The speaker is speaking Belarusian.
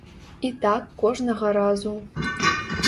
І так кожнага разу.